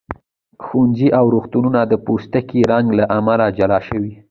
ښوونځي او روغتونونه د پوستکي رنګ له امله جلا شوي.